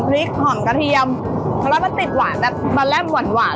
รสแพ้ติดหวานแบบตระได้หวาน